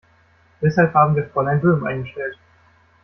Deshalb haben wir Fräulein Böhm eingestellt.